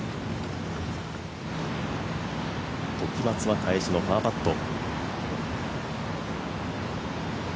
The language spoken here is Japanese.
時松は返しのパーパット。